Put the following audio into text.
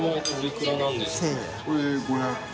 ・これ５００円。